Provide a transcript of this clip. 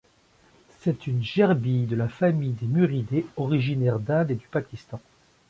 C'est une gerbille de la famille des Muridés, originaire d'Inde et du Pakistan.